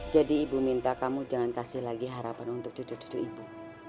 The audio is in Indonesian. jadi ibu minta kamu jangan kasih lagi harapan untuk cucu cucu ibu